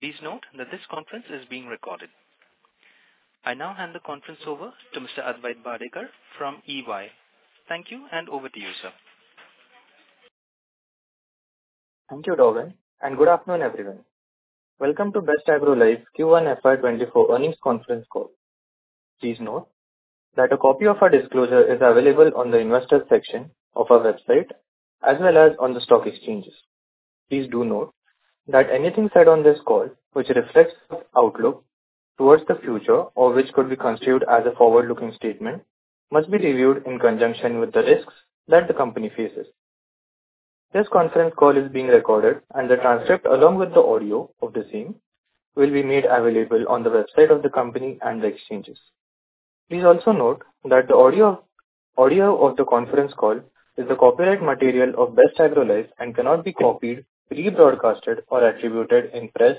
Please note that this conference is being recorded. I now hand the conference over to Mr. Advait Bhadekar from EY. Thank you, over to you, sir. Thank you, Robin, and good afternoon, everyone. Welcome to Best Agrolife Limited's Q1 FY 2024 Earnings Conference Call. Please note that a copy of our disclosure is available on the investor section of our website, as well as on the stock exchanges. Please do note that anything said on this call, which reflects outlook towards the future or which could be construed as a forward-looking statement, must be reviewed in conjunction with the risks that the company faces. This conference call is being recorded, and the transcript, along with the audio of the same, will be made available on the website of the company and the exchanges. Please also note that the audio of the conference call is the copyright material of Best Agrolife Limited and cannot be copied, rebroadcasted or attributed in press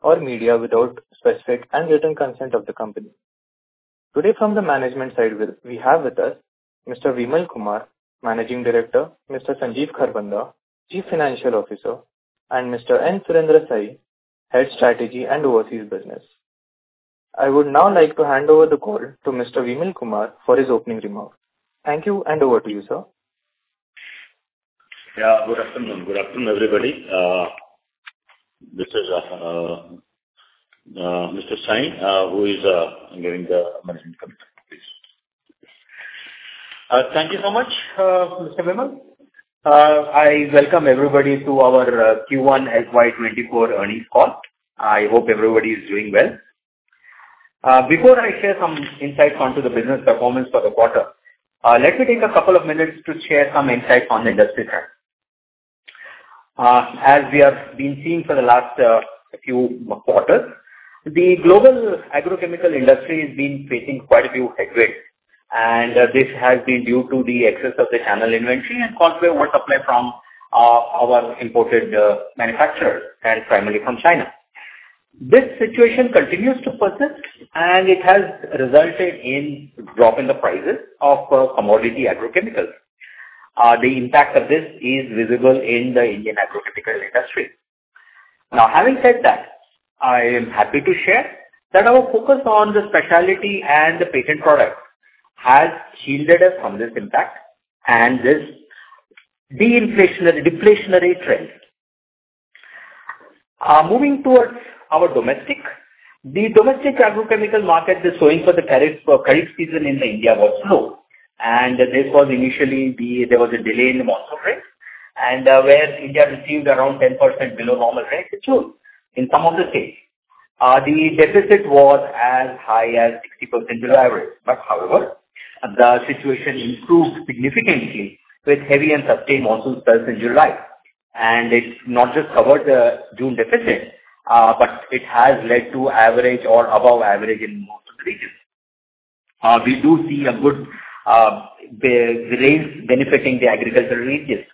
or media without specific and written consent of the company. Today, from the management side, we have with us Mr. Vimal Kumar, Managing Director, Mr. Sanjeev Kharbanda, Chief Financial Officer, and Mr. N. Surendra Sai, Head Strategy and Overseas Business. I would now like to hand over the call to Mr. Vimal Kumar for his opening remarks. Thank you. Over to you, sir. Yeah, good afternoon. Good afternoon, everybody. This is Mr. Sai, who is doing the management company. Thank you so much, Mr. Vimal. I welcome everybody to our Q1 FY 2024 earnings call. I hope everybody is doing well. Before I share some insights onto the business performance for the quarter, let me take a couple of minutes to share some insight on the industry trend. As we have been seeing for the last few quarters, the global agrochemical industry has been facing quite a few headwinds. This has been due to the excess of the channel inventory and consequent oversupply from our imported manufacturers and primarily from China. This situation continues to persist, and it has resulted in drop in the prices of commodity agrochemicals. The impact of this is visible in the Indian agrochemical industry. Now, having said that, I am happy to share that our focus on the specialty and the patent product has shielded us from this impact and this de-inflationary-- deflationary trend. Moving towards our domestic. The domestic agrochemical market, the sowing for the kharif, kharif season in India was slow, and this was initially the... There was a delay in the monsoon, right? Where India received around 10% below normal rain, which was in some of the states. The deficit was as high as 60% below average, but however, the situation improved significantly with heavy and sustained monsoon spells in July. It not just covered the June deficit, but it has led to average or above average in most regions. We do see a good rains benefiting the agricultural regions.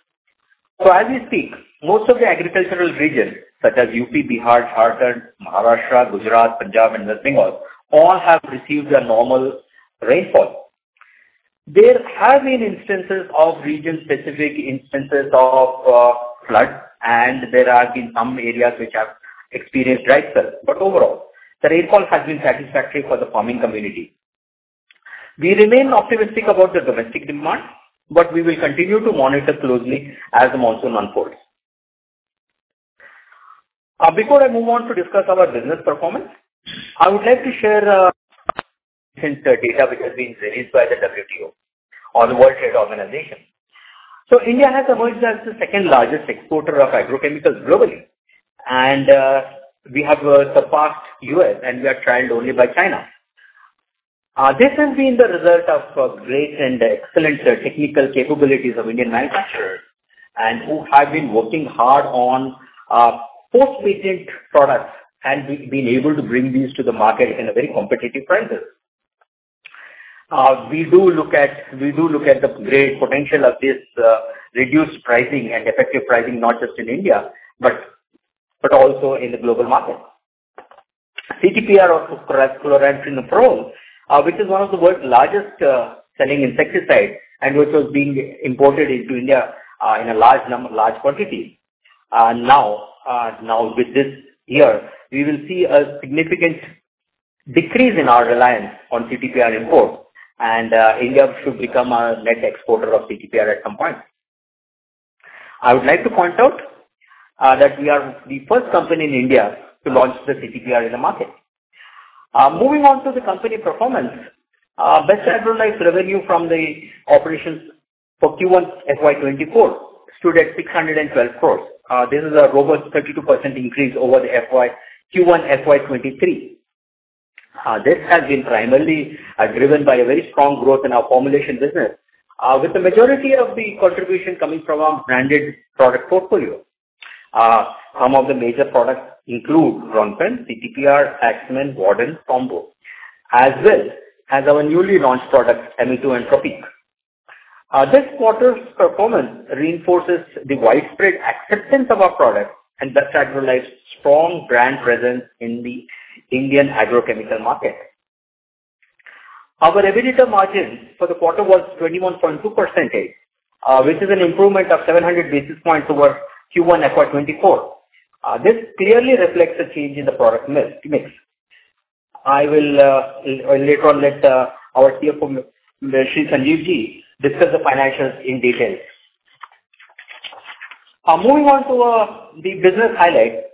As we speak, most of the agricultural regions, such as UP, Bihar, Chhattisgarh, Maharashtra, Gujarat, Punjab and West Bengal, all have received a normal rainfall. There have been instances of region-specific instances of flood, and there have been some areas which have experienced dry spell, but overall, the rainfall has been satisfactory for the farming community. We remain optimistic about the domestic demand, but we will continue to monitor closely as the monsoon unfolds. Before I move on to discuss our business performance, I would like to share since the data which has been released by the WTO or the World Trade Organization. India has emerged as the second-largest exporter of agrochemicals globally, and we have surpassed U.S., and we are trailed only by China. This has been the result of great and excellent technical capabilities of Indian manufacturers, and who have been working hard on post-patent products and we've been able to bring these to the market in a very competitive prices. We do look at, we do look at the great potential of this reduced pricing and effective pricing, not just in India, but also in the global market. CTPR or chlorantraniliprole, which is one of the world's largest selling insecticide and which was being imported into India in a large number, large quantity. Now, now with this year, we will see a significant decrease in our reliance on CTPR import, India should become a net exporter of CTPR at some point. I would like to point out that we are the first company in India to launch the CTPR in the market. Moving on to the company performance, Best Agrolife's revenue from the operations for Q1 FY 2024 stood at 612 crore. This is a robust 32% increase over the Q1 FY 2023. This has been primarily driven by a very strong growth in our formulation business, with the majority of the contribution coming from our branded product portfolio. Some of the major products include RONFEN, CTPR, AXEMAN, Warden, TOMBO, as well as our newly launched products, Amito and Propique. This quarter's performance reinforces the widespread acceptance of our products and Best Agrolife's strong brand presence in the Indian agrochemical market. Our EBITDA margin for the quarter was 21.2%, which is an improvement of 700 basis points over Q1 FY 2024. This clearly reflects the change in the product mix, mix. I will later on let our CFO, Sanjeev Ji, discuss the financials in detail. Moving on to the business highlights.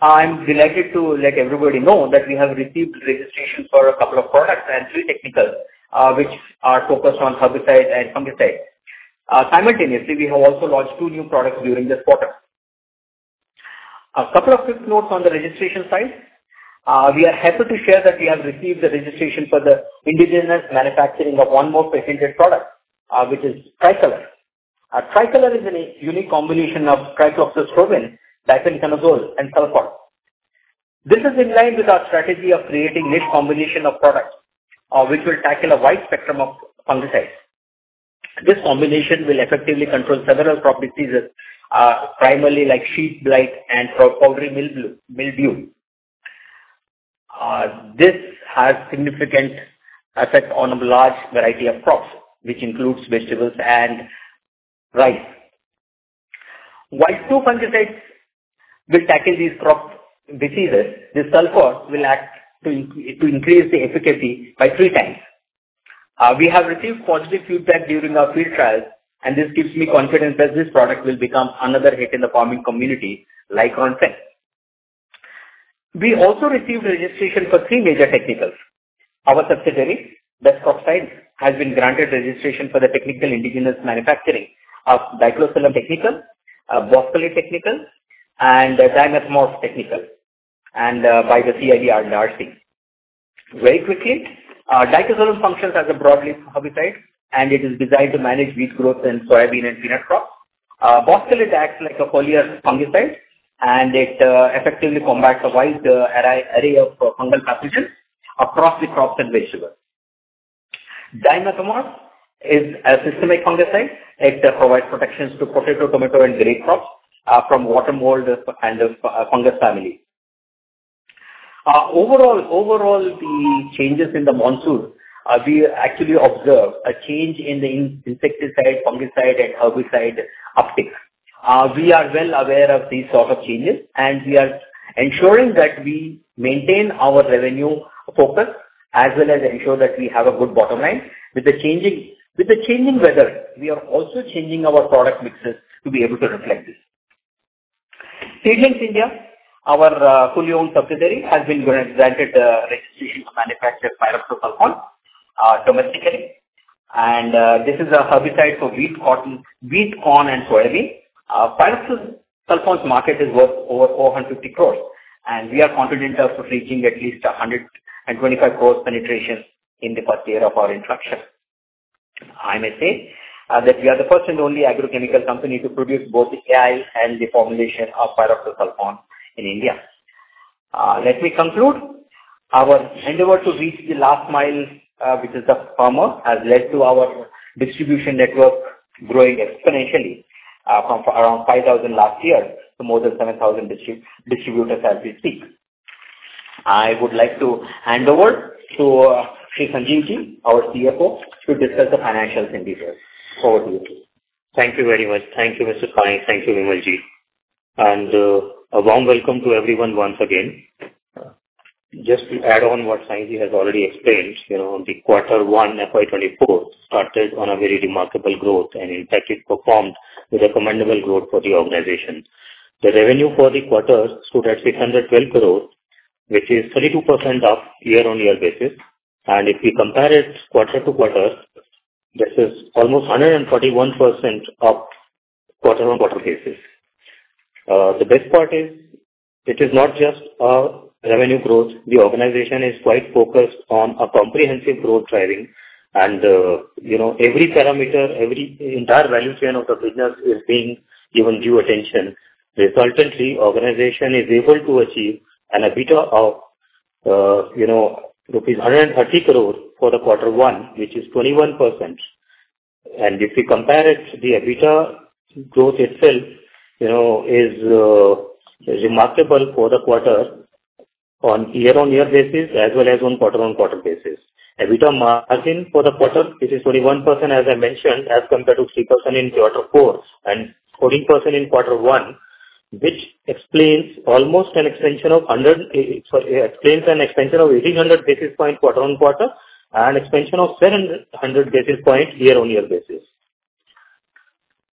I'm delighted to let everybody know that we have received registration for a couple of products and thre technicals, which are focused on herbicides and fungicides. Simultaneously, we have also launched two new products during this quarter. A couple of quick notes on the registration side. We are happy to share that we have received the registration for the indigenous manufacturing of one more patented product, which is Tricolor. Tricolor is a unique combination of triclopyr, difenoconazole, and sulfur. This is in line with our strategy of creating niche combination of products, which will tackle a wide spectrum of fungicides. This combination will effectively control several crop diseases, primarily like sheath blight and powdery mildew, mildew. This has significant effect on a large variety of crops, which includes vegetables and rice. While two fungicides will tackle these crop diseases, the sulfur will act to, to increase the efficacy by three times. We have received positive feedback during our field trials, and this gives me confidence that this product will become another hit in the farming community, like Onset. We also received registration for three major technicals. Our subsidiary, Best Crop Science, has been granted registration for the technical indigenous manufacturing of diclosulam technical, boscalid technical, and dimethomorph technical, and by the CIBRC. Very quickly, diclosulam functions as a broadleaf herbicide. It is designed to manage weed growth in soybean and peanut crops. Boscalid acts like a foliar fungicide. It effectively combats a wide array, array of fungal pathogens across the crops and vegetables. Dimethomorph is a systemic fungicide. It provides protections to potato, tomato, and grape crops from water mold and the fungus family. Overall, overall, the changes in the monsoon, we actually observed a change in the insecticide, fungicide, and herbicide uptake. We are well aware of these sort of changes. We are ensuring that we maintain our revenue focus, as well as ensure that we have a good bottom line. With the changing, with the changing weather, we are also changing our product mixes to be able to reflect this. Seedlings India, our fully owned subsidiary, has been granted registration to manufacture pyroxasulfone domestically. This is a herbicide for wheat, cotton, wheat, corn, and soybean. Pyroxasulfone's market is worth over 450 crore, and we are confident of reaching at least 125 crore penetration in the first year of our introduction. I may say that we are the first and only agrochemical company to produce both the AI and the formulation of pyroxasulfone in India. Let me conclude. Our endeavor to reach the last mile, which is the farmer, has led to our distribution network growing exponentially, from around 5,000 last year to more than 7,000 distributors as we speak. I would like to hand over to Shri Sanjeev Ji, our CFO, to discuss the financials in detail. Over to you. Thank you very much. Thank you, Mr. Sai. Thank you, Vimal Ji, and a warm welcome to everyone once again. Just to add on what Sainath has already explained, you know, the Q1, FY 2024, started on a very remarkable growth, and in fact, it performed with a commendable growth for the organization. The revenue for the quarter stood at 612 crore, which is 32% up year-on-year basis, and if we compare it quarter-on-quarter, this is almost 141% up quarter-on-quarter basis. The best part is, it is not just revenue growth. The organization is quite focused on a comprehensive growth driving and, you know, every parameter, every entire value chain of the business is being given due attention. Resultantly, organization is able to achieve an EBITDA of, you know, rupees 130 crore for the quarter one, which is 21%. If we compare it, the EBITDA growth itself, you know, is remarkable for the quarter on year on year basis, as well as on quarter on quarter basis. EBITDA margin for the quarter, which is 21%, as I mentioned, as compared to 3% in quarter four and 14% in quarter one, which explains almost an expansion of 1,800 basis points, quarter on quarter, and expansion of 700 basis points year on year basis.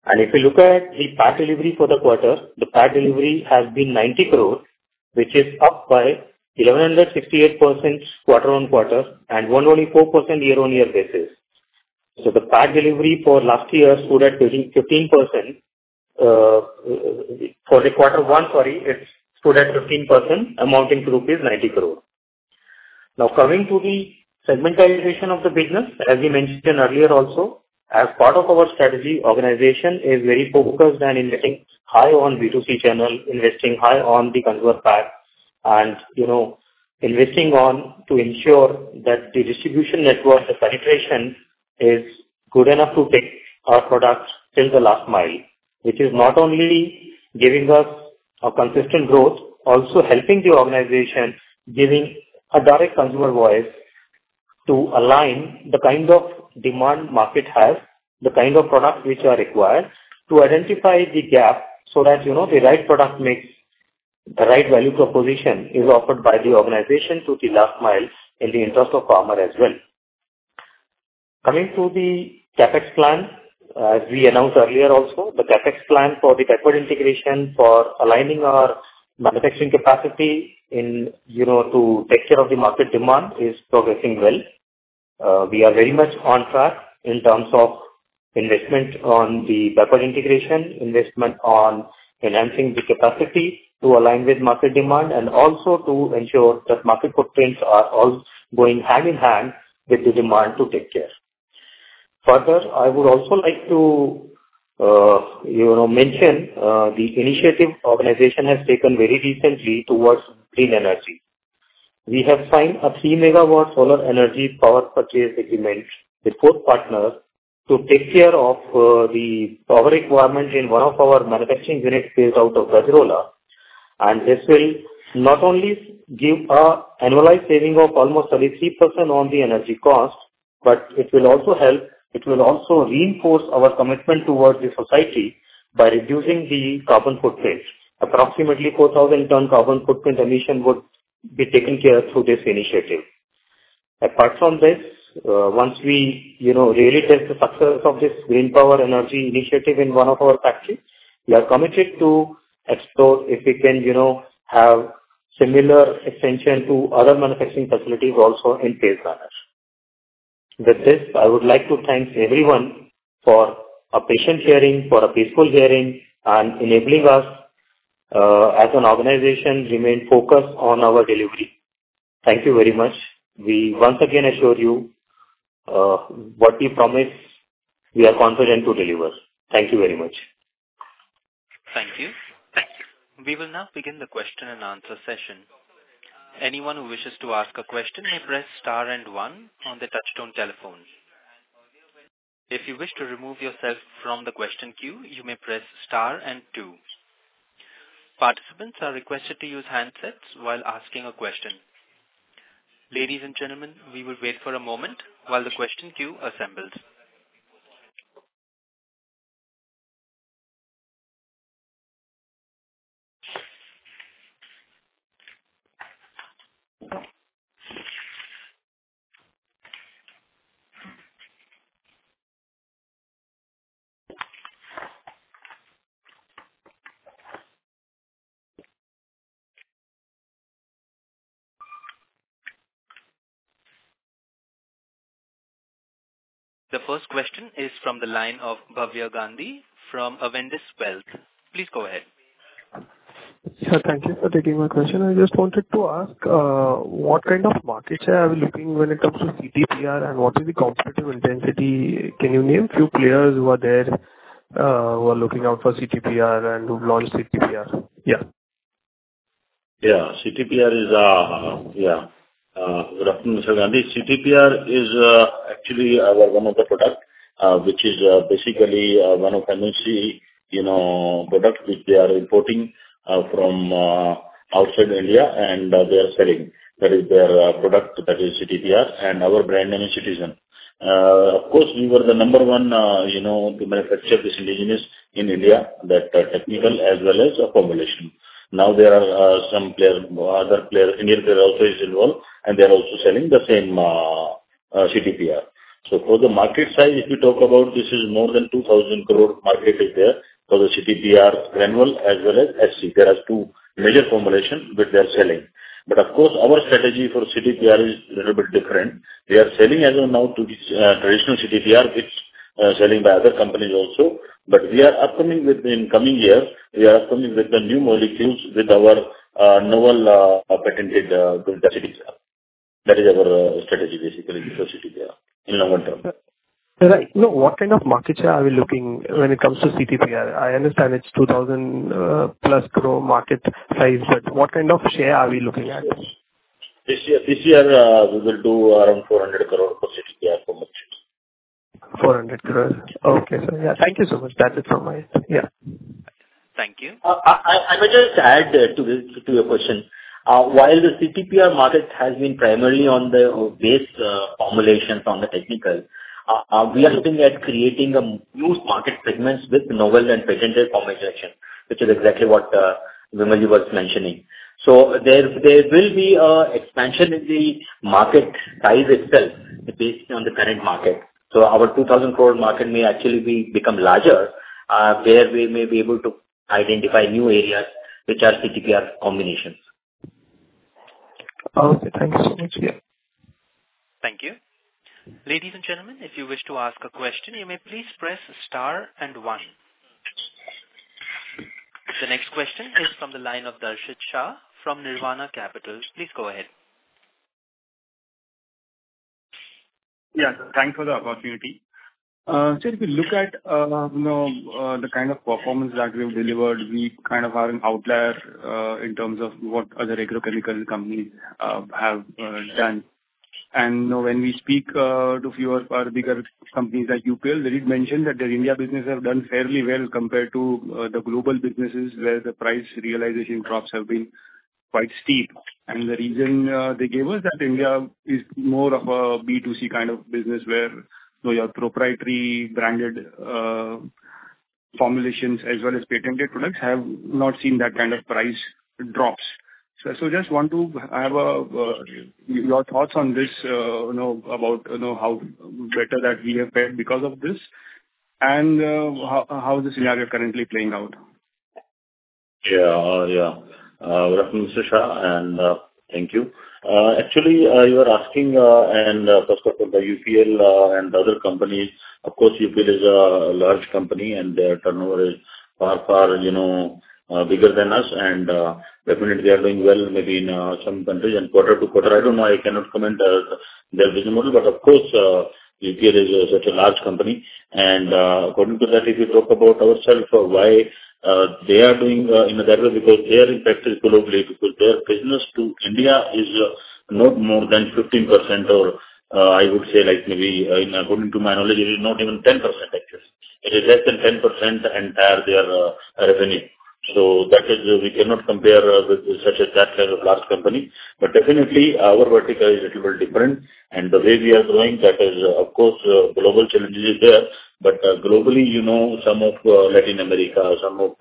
If you look at the pack delivery for the quarter, the pack delivery has been 90 crore, which is up by 1,168% quarter on quarter and 104% year on year basis. The pack delivery for last year stood at 15%, for the quarter one, sorry, it stood at 15%, amounting to rupees 90 crore. Coming to the segmentization of the business, as we mentioned earlier also, as part of our strategy, organization is very focused on investing high on B2C channel, investing high on the converter pack, and you know, investing on to ensure that the distribution network penetration is good enough to take our products till the last mile, which is not only giving us a consistent growth, also helping the organization, giving a direct consumer voice to align the kind of demand market has, the kind of products which are required to identify the gap, so that, you know, the right product makes the right value proposition is offered by the organization to the last mile in the interest of farmer as well. Coming to the CapEx plan, as we announced earlier also, the CapEx plan for the backward integration for aligning our manufacturing capacity in, you know, to take care of the market demand is progressing well. We are very much on track in terms of investment on the backward integration, investment on enhancing the capacity to align with market demand, and also to ensure that market footprints are all going hand-in-hand with the demand to take care. Further, I would also like to, you know, mention, the initiative organization has taken very recently towards clean energy. We have signed a three megawatt solar energy power purchase agreement with four partners to take care of the power requirement in one of our manufacturing units based out of Gajraula. This will not only give an annualized saving of almost 33% on the energy cost, but it will also help. It will also reinforce our commitment towards the society by reducing the carbon footprint. Approximately 4,000 ton carbon footprint emission would be taken care through this initiative. Apart from this, once we, you know, realize the success of this green power energy initiative in one of our factories, we are committed to explore if we can, you know, have similar extension to other manufacturing facilities also in phase manners. With this, I would like to thank everyone for a patient hearing, for a peaceful hearing, and enabling us as an organization remain focused on our delivery. Thank you very much. We once again assure you, what we promise, we are confident to deliver. Thank you very much. Thank you. Thank you. We will now begin the question-and-answer session. Anyone who wishes to ask a question may press star and one on the touchtone telephone. If you wish to remove yourself from the question queue, you may press star and two. Participants are requested to use handsets while asking a question. Ladies and gentlemen, we will wait for a moment while the question queue assembles. The first question is from the line of Bhavya Gandhi from Avendus Wealth. Please go ahead. Sir, thank you for taking my question. I just wanted to ask, what kind of markets are we looking when it comes to CTPR, and what is the competitive intensity? Can you name a few players who are there, who are looking out for CTPR and who've launched CTPR? Yeah. Yeah. CTPR is... Yeah, Gandhi, CTPR is actually our one of the product, which is basically one of fancy, you know, product which we are importing from outside India, and they are selling. That is their product, that is CTPR, and our brand name is CITIGEN. Of course, we were the number one, you know, to manufacture this indigenous in India, that technical as well as a formulation. Now, there are some players, other players, Indian player also is involved, and they are also selling the same CTPR. For the market size, if you talk about, this is more than 2,000 crore market is there for the CTPR annual as well as SC. There are two major formulations which they're selling. Of course, our strategy for CTPR is a little bit different. We are selling as of now to this traditional CTPR, which selling by other companies also, but we are upcoming with the in coming year, we are upcoming with the new molecules, with our novel, patented CTPR. That is our strategy, basically, for CTPR in our term. Right. No, what kind of market share are we looking when it comes to CTPR? I understand it's 2,000+ crore market size, what kind of share are we looking at? This year, this year, we will do around 400 crore for CTPR market. 400 crore. Okay, sir. Yeah, thank you so much. That's it from my end. Yeah. Thank you. I, I, I would just add to this, to your question. While the CTPR market has been primarily on the base, formulations on the technical, we are looking at creating a new market segments with novel and presented formulation, which is exactly what Vimalji was mentioning. There, there will be a expansion in the market size itself based on the current market. Our 2,000 crore market may actually be become larger, where we may be able to identify new areas which are CTPR combinations. Okay, thank you so much. Yeah. Thank you. Ladies and gentlemen, if you wish to ask a question, you may please press star and one. The next question is from the line of Darshit Shah from Nirvana Capital. Please go ahead. Yeah, thanks for the opportunity. So if you look at, you know, the kind of performance that we've delivered, we kind of are an outlier in terms of what other agrochemical companies have done. You know, when we speak to few of our bigger companies like UPL, they did mention that their India business have done fairly well compared to the global businesses, where the price realization drops have been quite steep. The reason they gave us, that India is more of a B2C kind of business, where, you know, your proprietary branded formulations, as well as patented products, have not seen that kind of price drops. Just want to have your thoughts on this, you know, about, you know, how better that we have fared because of this, and how, how the scenario currently playing out? Yeah. Yeah. Good afternoon, Mr. Shah, thank you. Actually, you are asking, first of all, the UPL and the other companies, of course, UPL is a large company, and their turnover is far, far, you know, bigger than us. Definitely they are doing well, maybe in some countries and quarter to quarter. I don't know. I cannot comment their business model. Of course, UPL is such a large company, and according to that, if you talk about ourselves or why they are doing in that way, because they are, in fact, is globally. Because their business to India is not more than 15%, or I would say, like, maybe, according to my knowledge, it is not even 10%, actually. It is less than 10% entire their revenue. That is, we cannot compare with such a, that kind of large company. Definitely, our vertical is a little bit different, and the way we are growing, that is, of course, global challenges is there. Globally, you know, some of Latin America, some of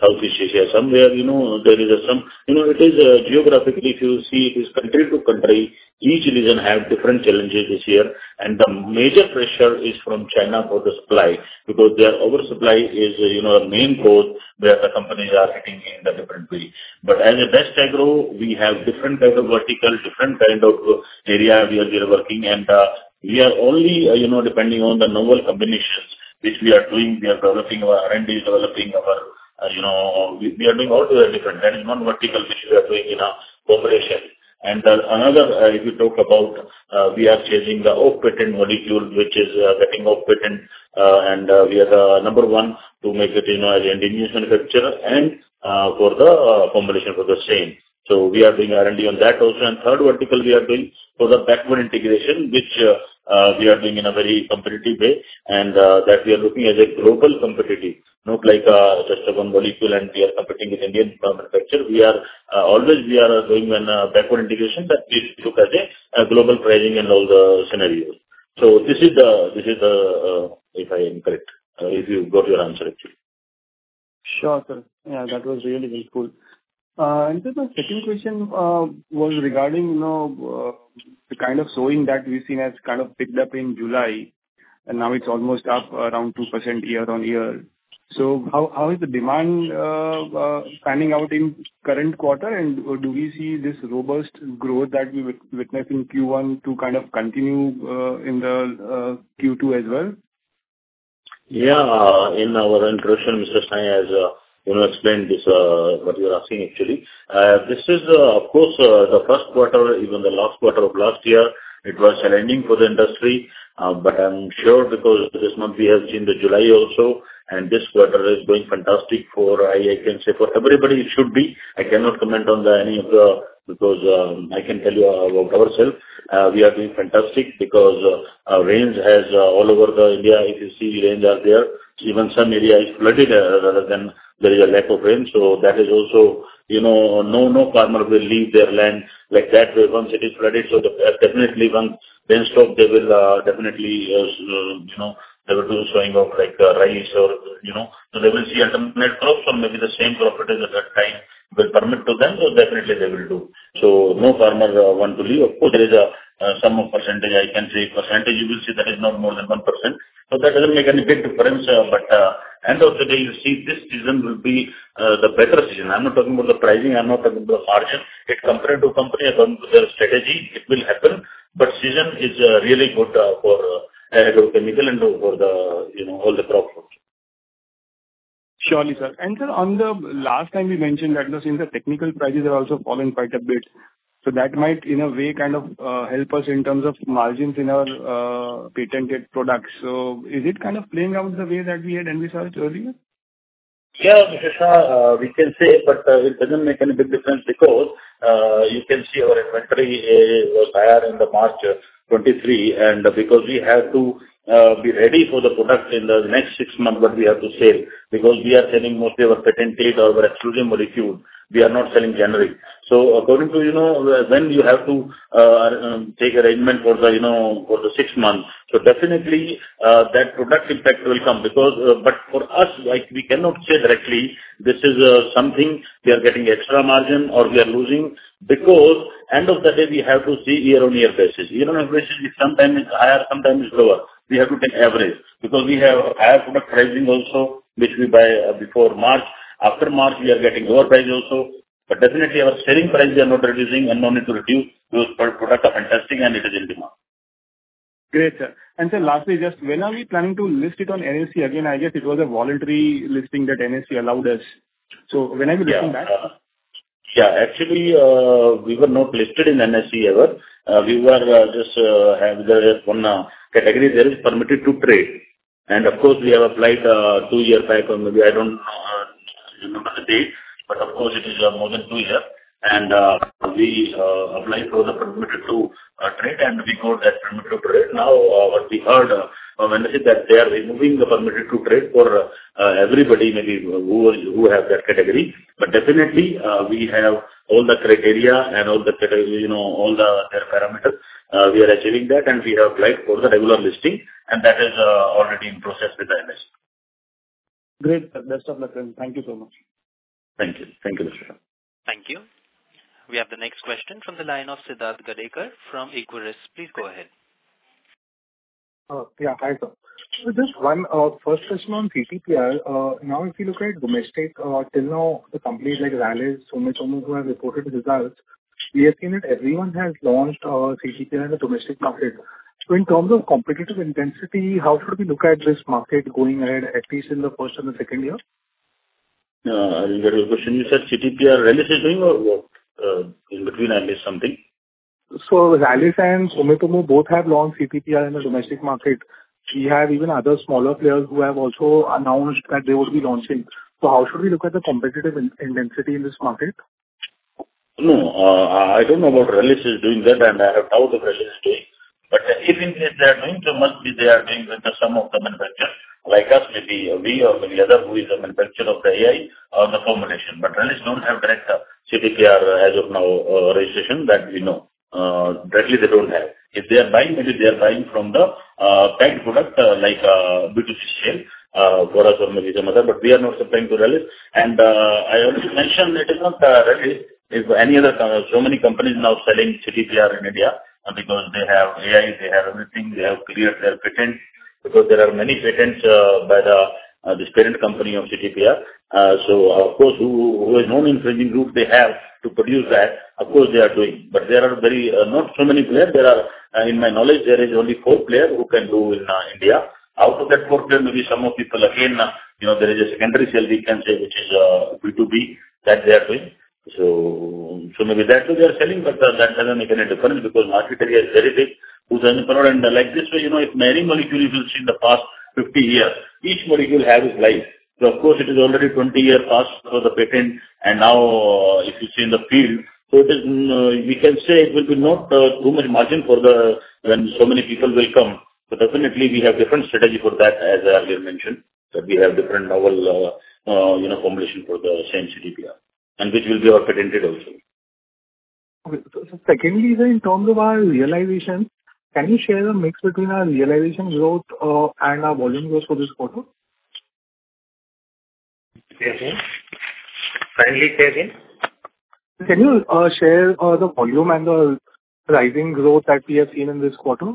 Southeast Asia, somewhere, you know, there is some... You know, it is, geographically, if you see, it's country to country, each region have different challenges this year. The major pressure is from China for the supply, because their oversupply is, you know, the main cause where the companies are hitting in the differently. As a Best Agrolife, we have different type of vertical, different kind of area we are, we are working. We are only, you know, depending on the novel combinations which we are doing. We are developing our R&D, developing our, you know, we, we are doing all the different. That is one vertical which we are doing in a combination. The another, if you talk about, we are changing the off-patent molecule, which is getting off-patent. We are the number one to make it, you know, as Indian manufacturer and for the formulation for the same. We are doing R&D on that also. Third vertical we are doing for the backward integration, which we are doing in a very competitive way. That we are looking as a global competitive, not like just one molecule, and we are competing with Indian manufacturer. We are, always we are doing when, backward integration, but please look at the global pricing and all the scenarios. This is the, this is the, if I am correct, if you got your answer actually. Sure, sir. Yeah, that was really very cool. The second question was regarding, you know, the kind of sowing that we've seen has kind of picked up in July, and now it's almost up around 2% year-on-year. How, how is the demand panning out in current quarter? Do we see this robust growth that we witnessed in Q1 to kind of continue in the Q2 as well? Yeah. In our introduction, Mr. Shah, as, you know, explained this, what you are asking, actually. This is, of course, the first quarter, even the last quarter of last year, it was challenging for the industry. I'm sure because this month we have seen the July also, and this quarter is going fantastic for... I can say for everybody it should be. I cannot comment on the any of the, because, I can tell you about ourselves. We are doing fantastic because rains has all over the India, if you see, rains are there. Even some area is flooded, rather than there is a lack of rain. That is also, you know, no, no farmer will leave their land like that, once it is flooded. Definitely once rain stop, they will, definitely, you know, they will do the sowing of, like, rice or, you know. They will see alternate crops or maybe the same crop it is at that time will permit to them, so definitely they will do. No farmer, want to leave. Of course, there is, some of percentage, I can say percentage, you will see that is not more than 1%. That doesn't make any big difference, but, end of the day, you'll see this season will be, the better season. I'm not talking about the pricing, I'm not talking about the margin. It compared to company, according to their strategy, it will happen, but season is, really good, for, agrochemical and over the, you know, all the crop folks. Surely, sir. Sir, on the last time you mentioned that, since the technical prices are also falling quite a bit, so that might, in a way, kind of, help us in terms of margins in our, patented products. Is it kind of playing out the way that we had envisaged earlier? Yeah, Mr. Shah, we can say, but it doesn't make any big difference because you can see our inventory was higher in the March 23. Because we have to be ready for the product in the next six months, what we have to sell, because we are selling mostly our patented or our exclusion molecule. We are not selling generic. According to, you know, when you have to take arrangement for the, you know, for the six months, definitely that product impact will come. But for us, like, we cannot say directly, this is something we are getting extra margin or we are losing, because end of the day, we have to see year-on-year basis. Year-on-year basis, it sometimes it's higher, sometimes it's lower. We have to take average, because we have higher product pricing also, which we buy before March. After March, we are getting lower price also. Definitely our selling price, we are not reducing and no need to reduce, those products are fantastic and it is in demand. Great, sir. Sir, lastly, just when are we planning to list it on NSE again? I guess it was a voluntary listing that NSE allowed us. When are we coming back? Yeah, actually, we were not listed in NSE ever. We were just have the one category there is permitted to trade. Of course, we have applied two years back, or maybe I don't remember the date, but of course, it is more than two years. We applied for the permitted to trade, and we got that permitted to trade. What we heard from NSE, that they are removing the permitted to trade for everybody, maybe who, who have that category. Definitely, we have all the criteria and all the criteria, you know, all the parameters, we are achieving that, and we have applied for the regular listing, and that is already in process with NSE. Great! Best of luck. Thank you so much. Thank you. Thank you, Darshit. Thank you. We have the next question from the line of Siddharth Gadekar from Equirus. Please go ahead. Yeah. Hi, sir. Just one first question on CTPR. Now, if you look at domestic, till now, the companies like Rallis, Sumitomo, who have reported results, we have seen that everyone has launched CTPR in the domestic market. In terms of competitive intensity, how should we look at this market going ahead, at least in the first and the second year? I didn't get your question. You said CTPR, Rallis is doing or what? In between Rallis something. Rallis and Sumitomo Chemical India both have launched CTPR in the domestic market. We have even other smaller players who have also announced that they will be launching. How should we look at the competitive in-intensity in this market? I, I don't know about Rallis is doing that, and I have doubt if Rallis is doing. Even if they are doing, must be they are doing with some of the manufacturer, like us, maybe we or maybe other who is the manufacturer of the AI or the formulation. Rallis don't have direct CTPR as of now, registration, that we know. Directly, they don't have. If they are buying, maybe they are buying from the packed product, like B2C sale, for us or maybe some other, but we are not supplying to Rallis. I already mentioned it is not Rallis. If any other... Many companies now selling CTPR in India, because they have AI, they have everything. They have cleared their patent, because there are many patents by the this parent company of CTPR. Of course, who, who is known in fringing group, they have to produce that. Of course, they are doing. But there are very not so many players. There are in my knowledge, there is only four players who can do in India. Out of that four players, maybe some of people, again, you know, there is a secondary sale, we can say, which is B2B, that they are doing. Maybe that's why they are selling, but that doesn't make any difference because market area is very big, 2,000 per hour. Like this way, you know, if many molecules you've seen in the past 50 years, each molecule has its life. Of course, it is already 20 years passed for the patent, and now, if you see in the field, so it is, we can say it will be not, too much margin for the, when so many people will come. Definitely, we have different strategy for that, as I earlier mentioned, that we have different novel, you know, formulation for the same CTPR, and which will be our patented also. Okay. Secondly, sir, in terms of our realization, can you share the mix between our realization growth, and our volume growth for this quarter? Say again. Finally, say again. Can you share the volume and the pricing growth that we have seen in this quarter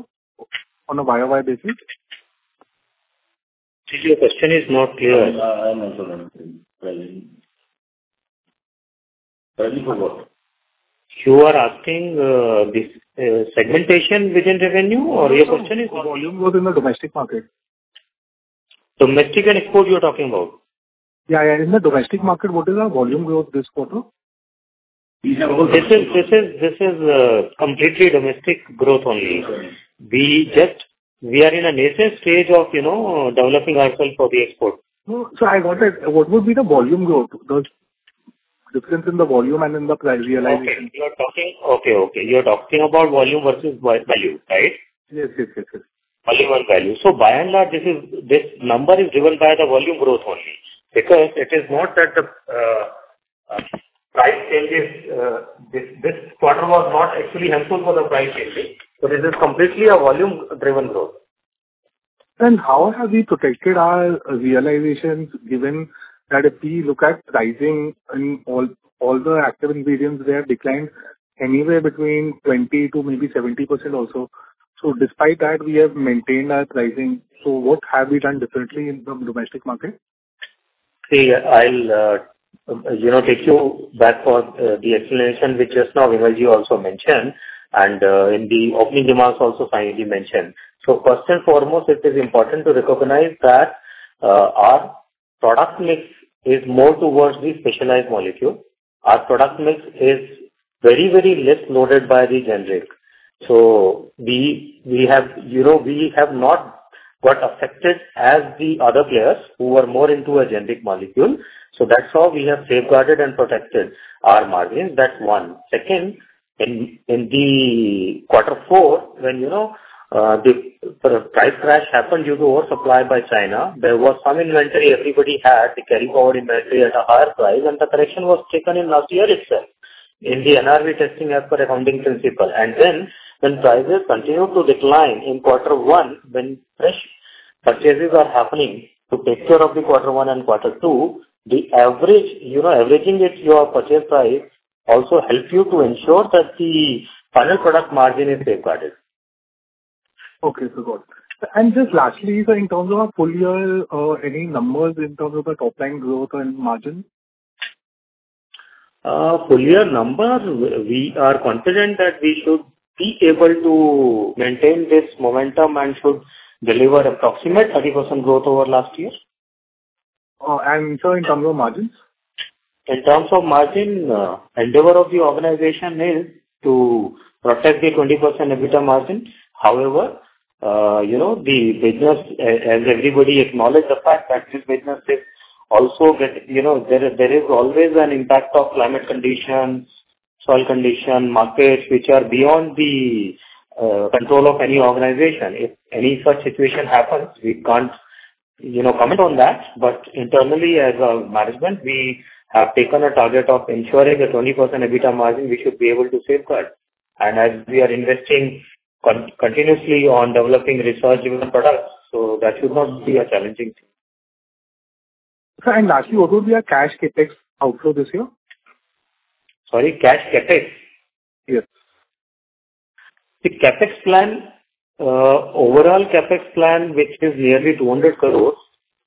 on a YoY basis? Actually, your question is not clear. I'm also not clear. Pricing. Pricing for what? You are asking, this, segmentation within revenue, or your question is what? Volume growth in the domestic market. Domestic and export you're talking about? Yeah, yeah, in the domestic market, what is our volume growth this quarter? We have- This is, this is, this is, completely domestic growth only. We just, we are in a nascent stage of, you know, developing ourselves for the export. I wanted, what would be the volume growth, the difference in the volume and in the price realization? Okay, okay, you are talking about volume versus value, right? Yes, yes, yes, yes. Volume and value. By and large, this is, this number is driven by the volume growth only. It is not that the price change is this, this quarter was not actually helpful for the price changing, so this is completely a volume-driven growth. How have we protected our realizations, given that if we look at pricing and all, all the active ingredients, they have declined anywhere between 20% to maybe 70% also. Despite that, we have maintained our pricing. What have we done differently in the domestic market? See, I'll, you know, take you back for the explanation which just now Vimalji also mentioned, and in the opening remarks also finally mentioned. First and foremost, it is important to recognize that our product mix is more towards the specialized molecule. Our product mix is very, very less loaded by the generic. We, we have, you know, we have not got affected as the other players who are more into a generic molecule. That's how we have safeguarded and protected our margins, that's one. Second, in, in the quarter four, when, you know, the, the price crash happened due to oversupply by China, there was some inventory everybody had, the carry forward inventory at a higher price, and the correction was taken in last year itself in the NRV testing as per accounting principle. Then when prices continued to decline in quarter one, when fresh purchases are happening to take care of the quarter one and quarter two, the average, you know, averaging with your purchase price also helps you to ensure that the final product margin is safeguarded. Okay, so got it. Just lastly, sir, in terms of our full year, any numbers in terms of the top line growth and margin? Full year numbers, we are confident that we should be able to maintain this momentum and should deliver approximate 30% growth over last year. Oh, and so in terms of margins? In terms of margin, endeavor of the organization is to protect the 20% EBITDA margin. However, you know, the business, as, as everybody acknowledge the fact that this business is also get, you know, there is, there is always an impact of climate conditions, soil condition, markets, which are beyond the control of any organization. If any such situation happens, we can't, you know, comment on that. But internally, as a management, we have taken a target of ensuring the 20% EBITDA margin we should be able to safeguard. As we are investing continuously on developing research driven products, so that should not be a challenging thing. Lastly, what will be our cash CapEx outflow this year? Sorry, cash CapEx? Yes. The CapEx plan, overall CapEx plan, which is nearly 200 crore,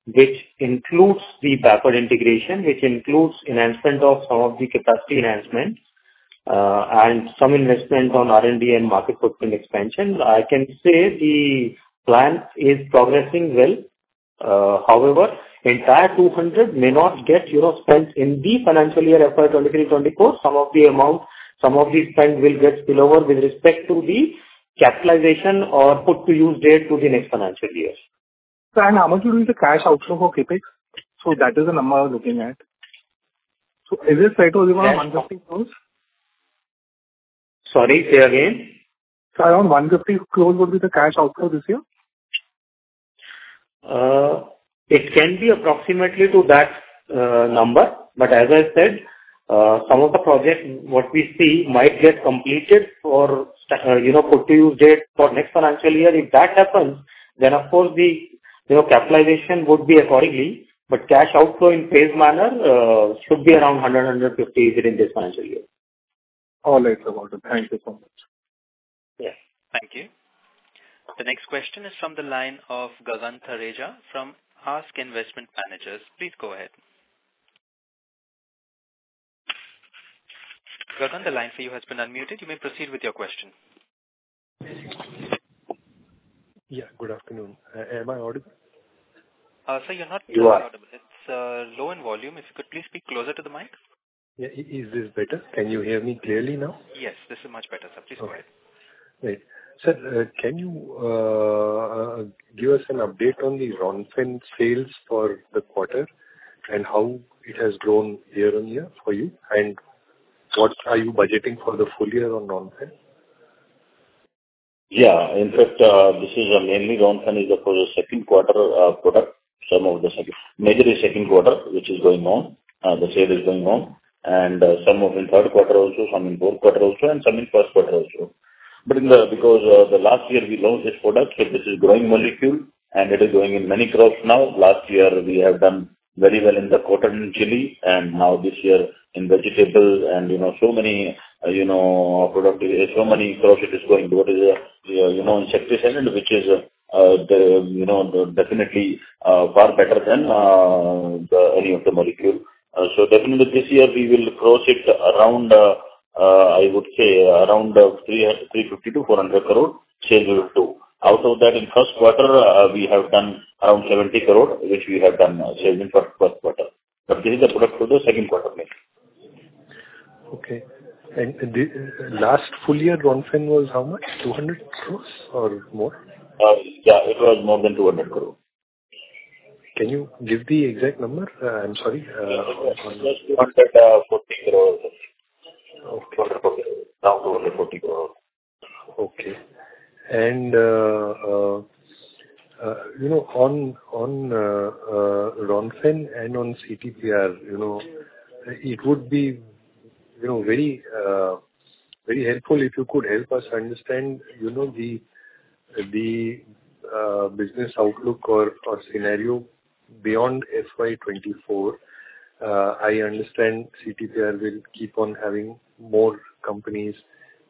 which includes the Bapar integration, which includes enhancement of some of the capacity enhancements, and some investment on R&D and market footprint expansion. I can say the plan is progressing well. However, the entire 200 may not get, you know, spent in the financial year FY 2023-2024. Some of the amount, some of the spend will get spill over with respect to the capitalization or put to use date to the next financial year. How much will be the cash outflow for CapEx? That is the number I was looking at. Is it safe to assume around INR 150 crore? Sorry, say again? Around 150 crore would be the cash outflow this year? It can be approximately to that number, but as I said, some of the projects, what we see might get completed or, you know, put to use date for next financial year. If that happens, then of course the, you know, capitalization would be accordingly, but cash outflow in phase manner should be around 100-150 within this financial year. All right. Thank you so much. Yes. Thank you. The next question is from the line of Gagan Thareja from ASK Investment Managers. Please go ahead. Gagan, the line for you has been unmuted. You may proceed with your question. Yeah, good afternoon. Am I audible? Sir, you're not very audible. You are. It's low in volume. If you could please speak closer to the mic. Yeah. Is this better? Can you hear me clearly now? Yes, this is much better, sir. Please go ahead. Okay. Great. Sir, can you give us an update on the RONFEN sales for the quarter and how it has grown year-on-year for you? What are you budgeting for the full year on RONFEN? Yeah, in fact, this is mainly RONFEN is, of course, a second quarter product. Majorly second quarter, which is going on, the sale is going on, some in third quarter also, some in fourth quarter also, and some in first quarter also. In the, because, the last year we launched this product, so this is growing molecule and it is growing in many crops now. Last year, we have done very well in the cotton and chili, and now this year in vegetable and, you know, so many, you know, product, so many crops it is going to, what is, you know, insecticide, which is, the, you know, definitely, far better than, the, any of the molecule. y this year we will cross it around, uh, I would say around, uh, 300, 35-400 crore sales to. Out of that, in first quarter, we have done around 70 crore, which we have done sales in first, first quarter. But this is the product for the second quarter, mainly. Okay. The last full year, RONFEN was how much? 200 crore or more? Yeah, it was more than 200 crore. Can you give the exact number? I'm sorry, 140 crore. Okay. Around 240 crore. Okay. You know, on, on RONFEN and on CTPR, you know, it would be, you know, very, very helpful if you could help us understand, you know, the, the business outlook or, or scenario beyond FY 2024. I understand CTPR will keep on having more companies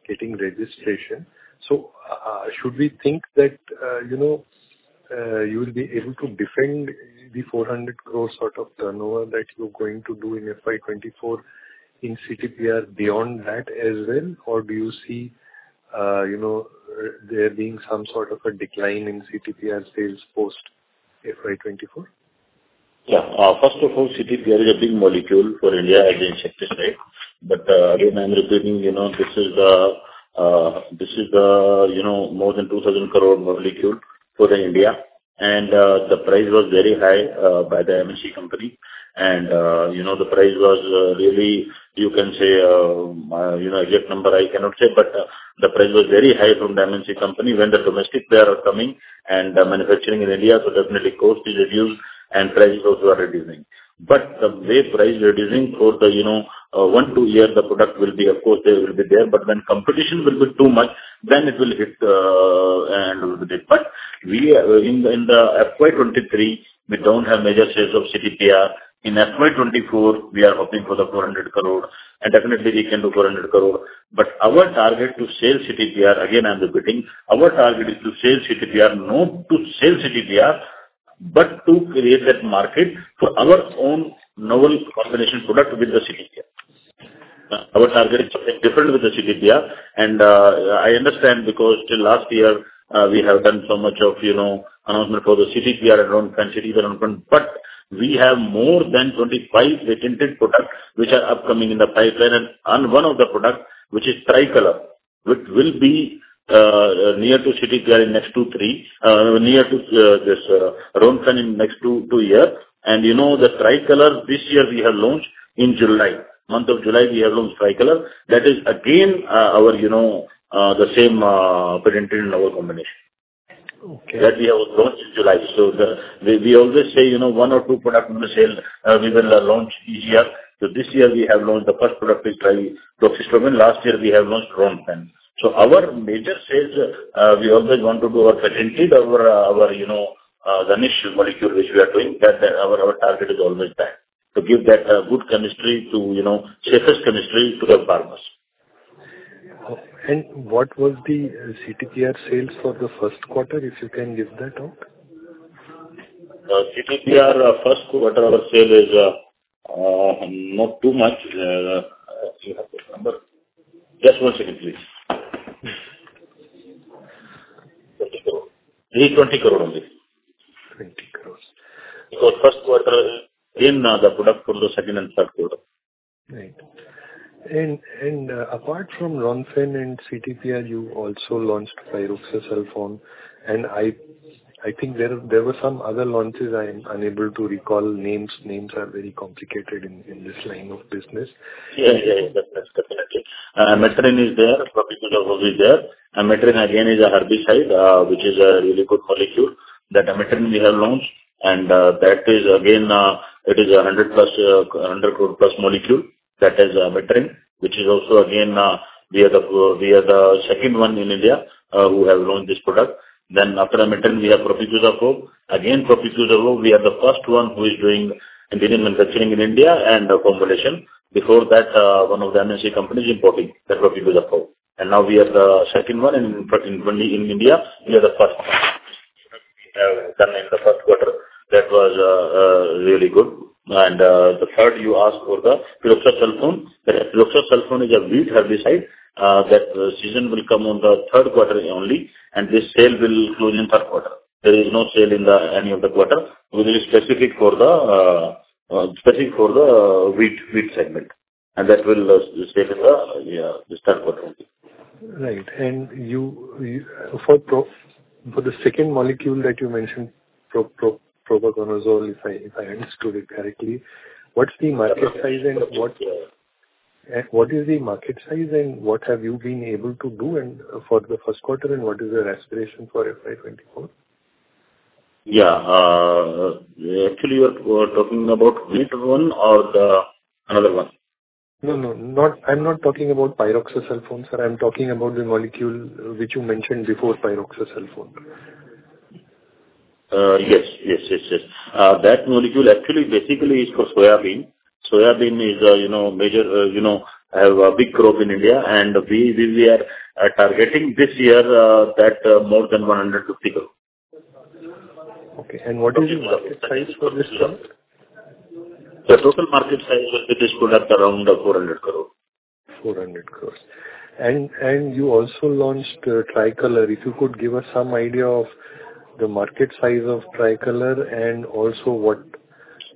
getting registration. Should we think that, you know, you will be able to defend the 400 crore sort of turnover that you're going to do in FY 2024 in CTPR beyond that as well? Or do you see, you know, there being some sort of a decline in CTPR sales post FY 2024? Yeah. First of all, CTPR is a big molecule for India as the insecticide. Again, I'm repeating, you know, this is, you know, more than 2,000 crore molecule for the India. The price was very high by the MNC company. You know, the price was really, you can say, you know, exact number I cannot say, but the price was very high from the MNC company. When the domestic player are coming and manufacturing in India, so definitely cost is reduced and price also are reducing. The way price reducing for the, you know, one, two years, the product will be, of course, it will be there, but when competition will be too much, then it will hit and a little bit. We, in the FY 2023, we don't have major shares of CTPR. In FY 2024, we are hoping for the 400 crore, and definitely we can do 400 crore. Our target to sell CTPR, again, I'm repeating, our target is to sell CTPR, not to sell CTPR, but to create that market for our own novel combination product with the CTPR. Our target is different with the CTPR, and I understand because till last year, we have done so much of, you know, announcement for the CTPR and RONFEN. We have more than 25 patented products which are upcoming in the pipeline, and one of the products, which is Tricolor, which will be near to CTPR in next two, three, near to this, around 10 in next two years. You know, the Tricolor, this year we have launched in July. Month of July, we have launched Tricolor. That is again, our, you know, the same, patented in our combination. Okay. That we have launched in July. The, we, we always say, you know, one or two product in the sale, we will launch easier. This year we have launched the first product with pyraclostrobin. Last year, we have launched RONFEN. Our major sales, we always want to do our patented, our, our, you know, the initial molecule, which we are doing, that, our, our target is always that. To give that, good chemistry to, you know, safest chemistry to the farmers. What was the CTPR sales for the first quarter, if you can give that out? CTPR, first quarter, our sale is not too much. I actually have the number. Just one second, please. INR 20 crore. INR 320 crore only. INR 20 crores. First quarter, in the product for the second and third quarter. Right. Apart from RONFEN and CTPR, you also launched pyroxasulfone, and I think there were some other launches I am unable to recall names. Names are very complicated in this line of business. Yes, yes, yes. Definitely. Ametryn is there, Propiconazole is there. Ametryn again is a herbicide, which is a really good molecule. That Ametryn we have launched, and that is again, it is an 100+ crore+ molecule, that is Ametryn, which is also, again, we are the second one in India who have launched this product. After Ametryn, we have propaquizafop. Again, propaquizafop, we are the first one who is doing in India, and Ametryn in India, and a combination. Before that, one of the MNC companies importing that propaquizafop. Now we are the second one in, but in only in India, we are the first one. We have done in the first quarter. That was really good. The third you asked for the pyroxasulfone. Pyroxasulfone is a wheat herbicide. That season will come on the third quarter only, and the sale will close in third quarter. There is no sale in the any of the quarter. We are specific for the specific for the wheat, wheat segment, and that will stay in the this third quarter only. Right. You for the second molecule that you mentioned, propaquizafop, if I understood it correctly, what's the market size and. Yeah. What is the market size, and what have you been able to do and for the first quarter, and what is your aspiration for FY 24? Yeah. Actually, you are, we're talking about wheat one or the another one? No, no, not... I'm not talking about pyroxasulfone, sir. I'm talking about the molecule which you mentioned before pyroxasulfone. Yes, yes, yes, yes. That molecule actually basically is for soyabean. Soyabean is a, you know, major, you know, have a big growth in India, and we, we, we are targeting this year that more than 150 crore. Okay. What is the market size for this one? The total market size of it is around, 400 crore. 400 crore. You also launched Tricolor. If you could give us some idea of the market size of Tricolor, and also what,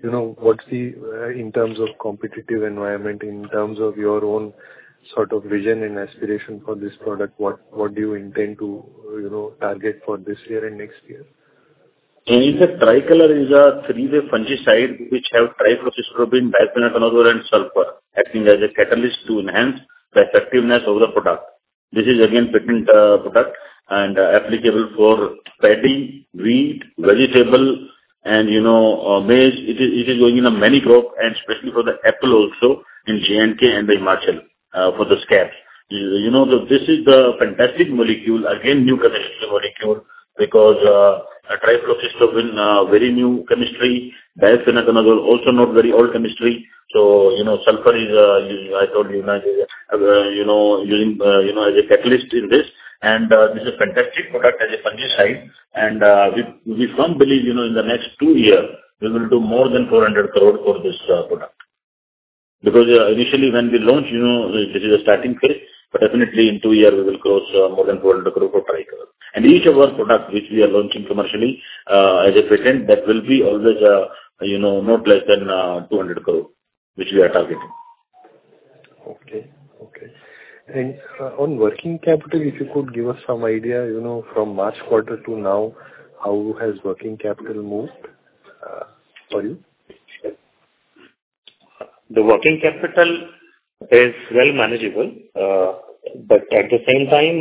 you know, what's the in terms of competitive environment, in terms of your own sort of vision and aspiration for this product, what, what do you intend to, you know, target for this year and next year? In the Tricolor is a three-way fungicide, which have trifloxystrobin, difenoconazole, and sulfur, acting as a catalyst to enhance the effectiveness of the product. This is again, patented product and applicable for paddy, wheat, vegetable, and you know, maize. It is, it is going in a many crop, and especially for the apple also in J&K and Himachal, for the scabs. You know, this is the fantastic molecule, again, new chemistry molecule, because a trifloxystrobin, very new chemistry. Bifenthrin also not very old chemistry. So, you know, sulfur is us- I told you, you know, using, you know, as a catalyst in this, and this is fantastic product as a fungicide. We, we firm believe, you know, in the next two year, we will do more than 400 crore for this product. Initially when we launch, you know, this is a starting phase, but definitely in two years, we will cross more than 400 crore for Tricolor. Each of our product, which we are launching commercially, as a patent, that will be always, you know, not less than 200 crore, which we are targeting. Okay. Okay. On working capital, if you could give us some idea, you know, from March quarter to now, how has working capital moved for you? The working capital is well manageable, but at the same time,